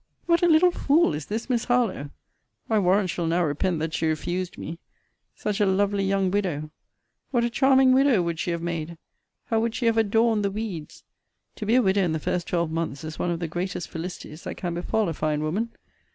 What a little fool is this Miss Harlowe! I warrant she'll now repent that she refused me. Such a lovely young widow What a charming widow would she have made! how would she have adorned the weeds! to be a widow in the first twelve months is one of the greatest felicities that can befal a fine woman.